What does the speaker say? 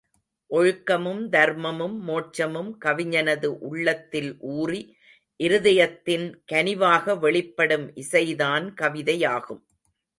ஒழுக்கமும், தர்மமும், மோட்சமும் கவிஞனது உள்ளத்தில் ஊறி, இருதயத்தின் கனிவாக வெளிப்படும் இசைதான் கவிதையாகும்.